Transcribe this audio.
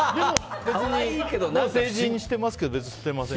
成人してますけど吸ってません。